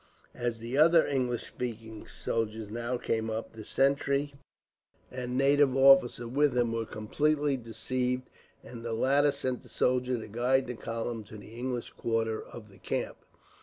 As the other English speaking soldiers now came up, the sentry and native officer with him were completely deceived, and the latter sent a soldier to guide the column to the English quarter of the camp.